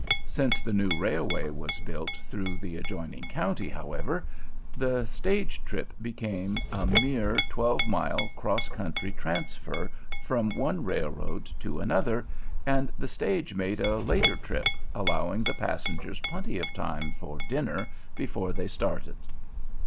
Since the new railway was built through the adjoining county, however, the stage trip became a mere twelve mile, cross country transfer from one railroad to another, and the stage made a later trip, allowing the passengers plenty of time for "dinner" before they started.